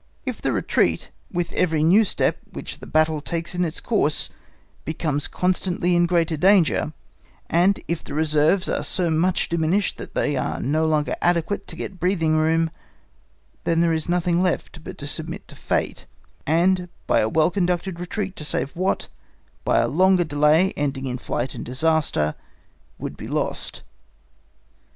If the retreat with every new step which the battle takes in its course becomes constantly in greater danger, and if the reserves are so much diminished that they are no longer adequate to get breathing room, then there is nothing left but to submit to fate, and by a well conducted retreat to save what, by a longer delay ending in flight and disaster, would be lost.